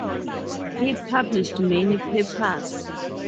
He published many papers.